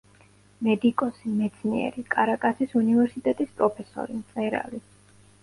მედიკოსი, მეცნიერი, კარაკასის უნივერსიტეტის პროფესორი, მწერალი.